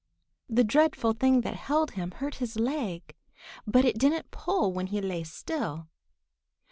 The dreadful thing that held him hurt his leg, but it didn't pull when he lay still.